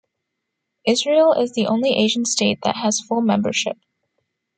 Israel is the only Asian state that has full membership.